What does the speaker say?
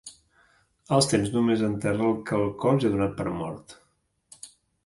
El temps només enterra el que el cor ja ha donat per mort.